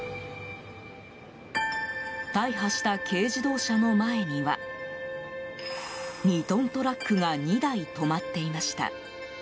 大破した軽自動車の前には２トントラックが２台止まっていました。